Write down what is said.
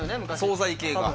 総菜系が。